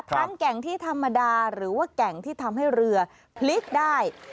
แก่งที่ธรรมดาหรือว่าแก่งที่ทำให้เรือพลิกได้